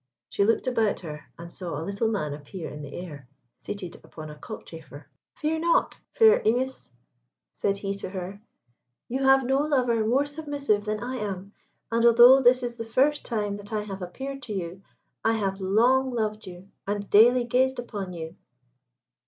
She looked about her, and saw a little man appear in the air, seated upon a cockchafer. "Fear not, fair Imis," said he to her; "you have no lover more submissive than I am; and although this is the first time that I have appeared to you, I have long loved you, and daily gazed upon you."